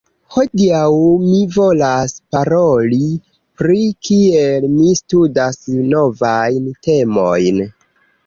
Hodiaŭ mi volas paroli pri kiel mi studas novajn temojn